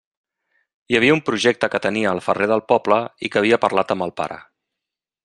Hi havia un projecte que tenia el ferrer del poble i que havia parlat amb el pare.